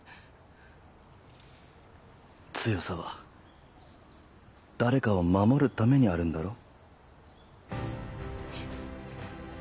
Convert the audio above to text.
強さは誰かを守るためにあるんだろ？